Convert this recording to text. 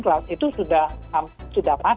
kalau data ini tersebar mobilnya sudah berlalu